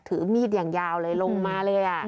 ถือมีดอย่างยาวเลยลงมาเลย